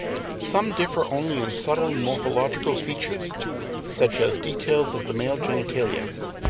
Some differ only in subtle morphological features, such as details of the male genitalia.